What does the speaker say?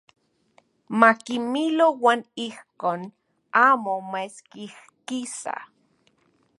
Makimilo uan ijkon amo maeskijkisa.